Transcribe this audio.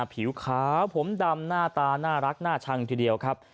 ผิวขาวผมดำหน้าตาน่ารักน่าชังทีเดียวครับ